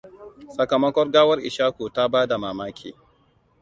Sakamakon gawar Ishaku ta bada mamaki.